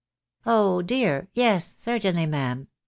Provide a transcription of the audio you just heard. " Oh, dear ! yes, certainly, ma'am.